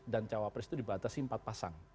dan cawapres itu dibatasi empat pasang